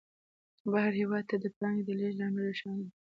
بهر هېواد ته د پانګې د لېږد لامل روښانه دی